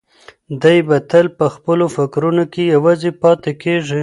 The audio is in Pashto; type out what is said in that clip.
دی به تل په خپلو فکرونو کې یوازې پاتې کېږي.